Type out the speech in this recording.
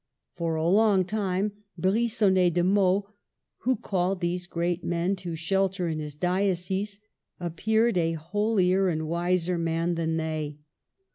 For a long time Brigonnet de Meaux, who called these great men to shelter in his diocese, appeared a holier and wiser man than they.